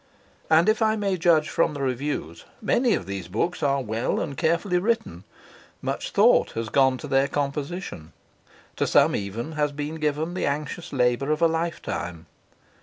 And if I may judge from the reviews, many of these books are well and carefully written; much thought has gone to their composition; to some even has been given the anxious labour of a lifetime.